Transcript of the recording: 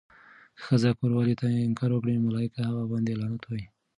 که ښځه کوروالې ته انکار وکړي، ملايکه هغه باندې لعنت وایی.